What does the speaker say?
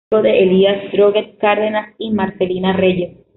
Hijo de Elias Droguett Cárdenas y Marcelina Reyes.